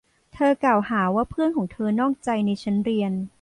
เธอกล่าวหาว่าเพื่อนของเธอนอกใจในชั้นเรียน